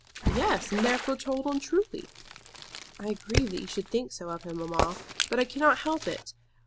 "Yes; and therefore told untruly." "I grieve that you should think so of him, mamma; but I cannot help it.